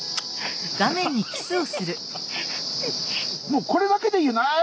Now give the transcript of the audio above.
もうこれだけでいいよああ！